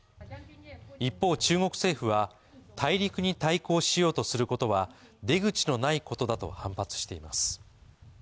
一方、中国政府は大陸に対抗しようとすることは出口のないことだと反発しています。